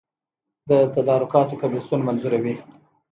د تدارکاتو کمیسیون منظوروي